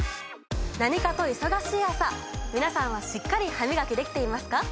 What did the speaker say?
何かと忙しい朝皆さんはしっかり歯みがきできていますか？